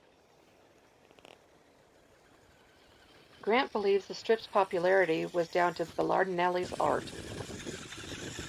Grant believes the strip's popularity was down to Belardinelli's art.